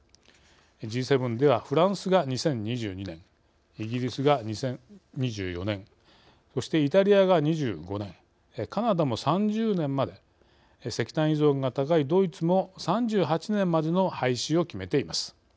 Ｇ７ではフランスが２０２２年イギリスが２０２４年そして、イタリアが２５年カナダも３０年まで石炭依存が高いドイツも３８年までの廃止を決めています。